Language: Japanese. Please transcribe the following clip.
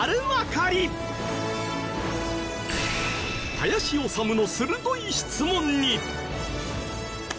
林修の鋭い質問に